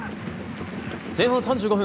前半３５分